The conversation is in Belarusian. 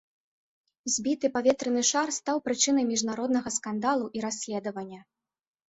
Збіты паветраны шар стаў прычынай міжнароднага скандалу і расследавання.